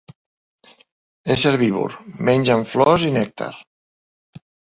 És herbívor, mengen flors i nèctar.